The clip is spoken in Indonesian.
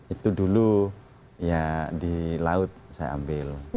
itu dulu ya di laut saya ambil